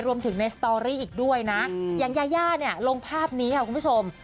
รวมถึงในสตอรี่อีกด้วยนะอย่างยาย่าเนี่ยลงภาพนี้ค่ะคุณผู้ชม